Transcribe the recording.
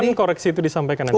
kapan koreksi itu disampaikan